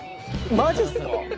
マジっすか？